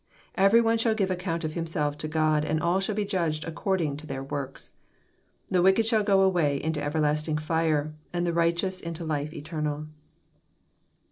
Every one shall give account of himself to Gk>d, and all shall be judged according to their works. The wicked shall go away into everlasting fire, and the righteous into life eternal.